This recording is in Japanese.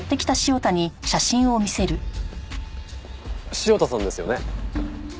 潮田さんですよね。